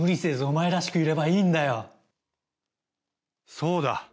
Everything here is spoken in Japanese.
そうだ